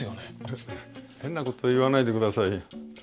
変なこと言わないでくださいよ。